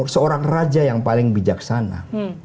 seorang raja yang paling bijaksana